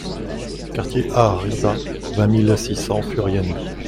Quartier A Riba, vingt mille six cents Furiani